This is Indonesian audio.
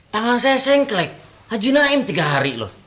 tangan saya sengklek haji naim tiga hari loh